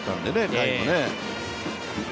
甲斐もね。